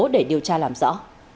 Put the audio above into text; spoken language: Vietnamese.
để điều tra làm rõ